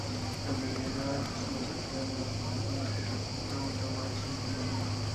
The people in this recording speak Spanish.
Al enviudar se convirtió en una ferviente católica junto con Mary, su hija mayor.